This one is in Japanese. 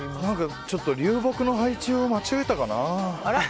ちょっと流木の配置を間違えたかな？